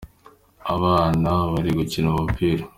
Abana bari gukina umupira.